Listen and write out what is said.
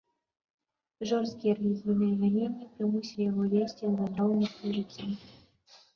Жорсткія рэлігійныя ганенні прымусілі яго весці вандроўніцкае жыццё.